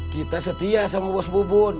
kita setia sama bos bubun